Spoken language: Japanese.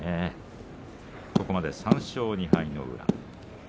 ここまで３勝２敗の宇良。